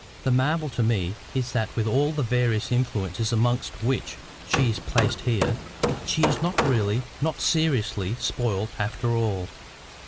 The marvel to me is that with all the various influences amongst which she is placed here, she is not really, not seriously, spoiled after all.